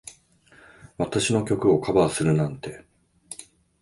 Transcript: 私の曲をカバーするなんて。